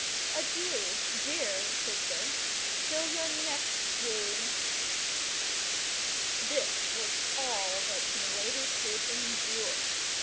Adieu, dear sister, till your next swoon!" This was all that Milady could endure.